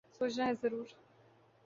سوچنا ہے ضرور ۔